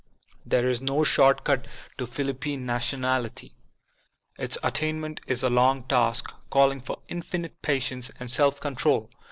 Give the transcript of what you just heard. There is no short cut to Philippine Nationality. Its attainment is a long task, calling for infinite patience and self control.